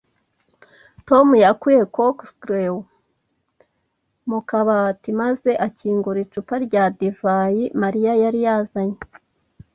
Tom yakuye corkscrew mu kabati maze akingura icupa rya divayi Mariya yari yazanye